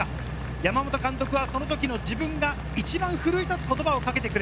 山本監督はその時の自分が一番奮い立つ言葉をかけてくる。